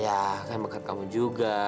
yah kan bekat kamu juga